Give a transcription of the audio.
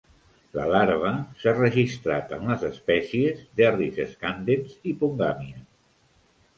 La larva s'ha registrat en les espècies "Derris scandens" i "Pongamia".